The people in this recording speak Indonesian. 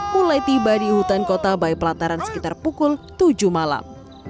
mulai tiba di hutan kota bayi pelataran sekitar pukul tujuh malam